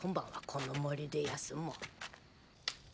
この森で休もう。